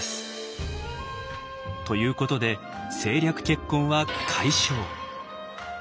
ということで政略結婚は解消。